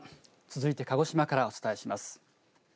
続いて鹿児島からお伝えします。